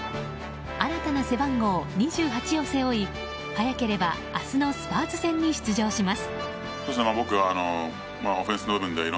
新たな背番号２８を背負い早ければ明日のスパーズ戦に出場します。